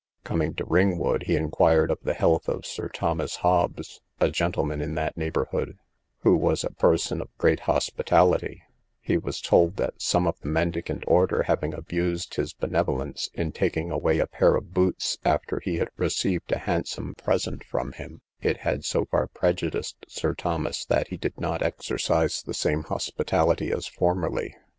Coming to Ringwood, he inquired of the health of Sir Thomas Hobbes, a gentleman in that neighbourhood, who was a person of great hospitality; he was told that some of the mendicant order, having abused his benevolence, in taking away a pair of boots, after he had received a handsome present from him, it had so far prejudiced Sir Thomas, that he did not exercise the same hospitality as formerly.